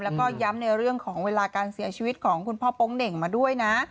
แล้วก็ย้ำในเรื่องของเวลาการเสียชีวิตของคุณพ่อโป๊งเหน่งมาด้วยนะ